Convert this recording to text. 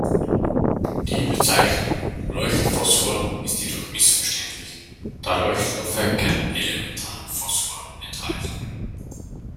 Die Bezeichnung Leucht-„Phosphor“ ist jedoch missverständlich, da Leuchtstoffe keinen elementaren Phosphor enthalten.